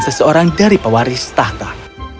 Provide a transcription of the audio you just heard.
seseorang dari pewaris tahap